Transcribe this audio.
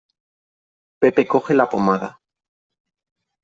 Pepe coge la pomada.